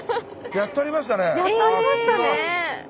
やっとありましたね。